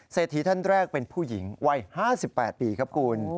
เศรษฐีท่านแรกเป็นผู้หญิงวัย๕๘ปีครับคุณ